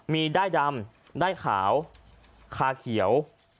ได้ดำด้ายขาวคาเขียว